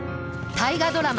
大河ドラマ